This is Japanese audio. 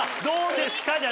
どうですか？